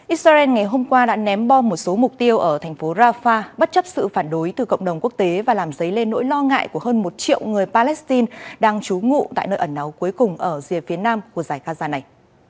israel ngày hôm qua đã ném bom một số mục tiêu ở thành phố rafah bất chấp sự phản đối từ cộng đồng quốc tế và làm dấy lên nỗi lo ngại của hơn một triệu người palestine đang trú ngụ tại nơi ẩn náu cuối cùng ở rìa phía nam của giải gaza này